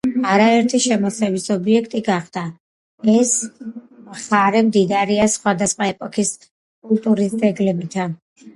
არაერთი შემოსევის ობიექტი გახდა. ეს მხარე მდიდარია სხვადასხვა ეპოქის კულტურის ძეგლებითა